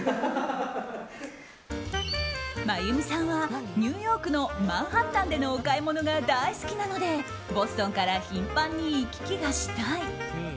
真弓さんはニューヨークのマンハッタンでのお買い物が大好きなのでボストンから頻繁に行き来がしたい。